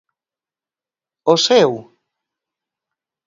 ¿O seu?